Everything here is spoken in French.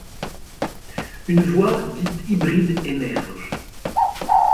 Une voie dite hybride émerge.